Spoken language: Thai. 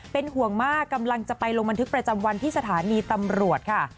เป็นห่วงมากกำลังจะไปลงบันทึกประจำวันที่สถานีตำรวจค่ะ